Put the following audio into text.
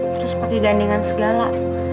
terus pakai gandingan segala